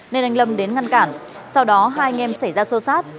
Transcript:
nên anh lâm đến ngăn cản sau đó hai anh em xảy ra sô sát